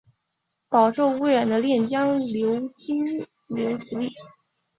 饱受污染的练江流经此地。